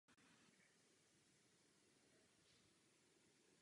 Tuto kombinaci označuje za houževnatost.